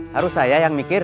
harus saya yang mikir